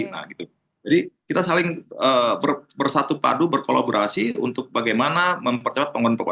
jadi kita saling bersatu padu berkolaborasi untuk bagaimana mempercepat penggeran papua